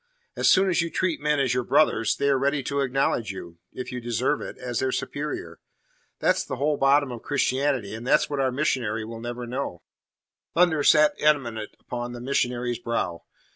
As soon as you treat men as your brothers, they are ready to acknowledge you if you deserve it as their superior. That's the whole bottom of Christianity, and that's what our missionary will never know." Thunder sat imminent upon the missionary's brow.